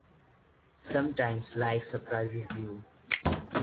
Sometimes life surprises you.